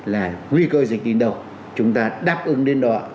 là nguy cơ dịch đến đâu chúng ta đáp ứng đến đó